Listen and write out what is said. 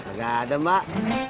nggak ada mbak